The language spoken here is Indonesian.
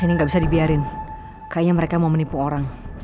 ini nggak bisa dibiarin kayaknya mereka mau menipu orang